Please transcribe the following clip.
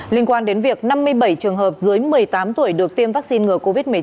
liên quan đến việc năm mươi bảy trường hợp dưới một mươi tám tuổi được tiêm vaccine ngừa covid một mươi chín